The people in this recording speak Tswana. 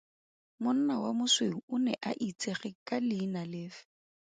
Monna wa mosweu o ne a itsege ka leina lefe?